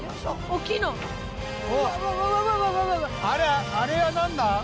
あれあれはなんだ？